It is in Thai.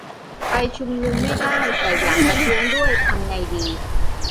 ไปชุมนุมไม่ได้ แต่อยากประท้วงด้วย ทำไงดี ?